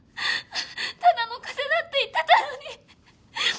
ただの風邪だって言ってたのになんで！？